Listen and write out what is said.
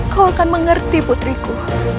kau akan mengerti putriku